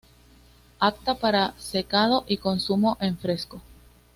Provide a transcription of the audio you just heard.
Apta para secado y consumo en fresco.